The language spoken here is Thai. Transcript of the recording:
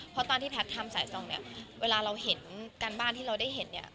เพราะตอนที่แพทย์ทำสายส่องเนี่ยเวลาเราเห็นการบ้านที่เราได้เห็นเนี่ย